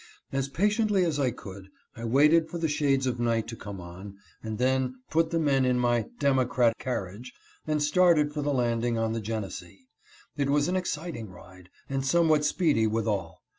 As patiently as I could, I waited for the shades of night to come on, and then put the men in my " Democrat carriage," and started for the landing on the Genesee. It was an exciting ride, and somewhat speedy withal.